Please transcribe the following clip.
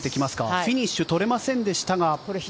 フィニッシュ取れませんでしたが。